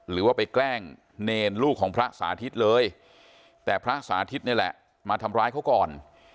หรือว่าไปแกล้งเนรลูกของพระสาธิตเลยแต่พระสาธิตนี่แหละมาทำร้ายเขาก่อน